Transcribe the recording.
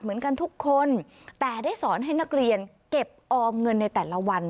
เหมือนกันทุกคนแต่ได้สอนให้นักเรียนเก็บออมเงินในแต่ละวัน